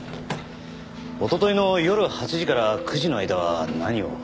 おとといの夜８時から９時の間は何を？